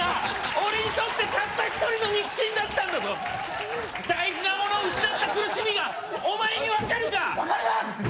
俺にとってたった一人の肉親だったんだぞ大事なものを失った苦しみがお前に分かるか分かります！